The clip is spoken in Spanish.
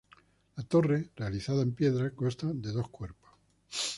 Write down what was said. La torre, realizada en piedra, consta de dos cuerpos.